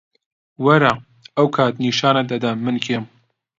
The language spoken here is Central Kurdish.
وەرە، ئەو کات نیشانت دەدەم من کێم.